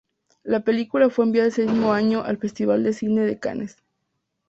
La película fue enviada ese mismo año al Festival de Cine de Cannes.